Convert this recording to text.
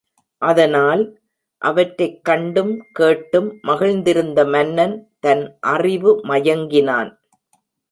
அதனால், அவற்றைக் கண்டும் கேட்டும் மகிழ்ந்திருந்த மன்னன் தன் அறிவு மயங்கினான்.